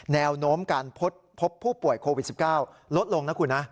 แนวโน้มการพบผู้ป่วยโควิด๑๙ลดลงนะคุณนะ